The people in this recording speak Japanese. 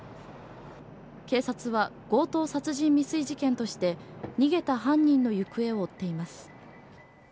警察は強盗殺人未遂事件として逃げた犯人の行方を追っています。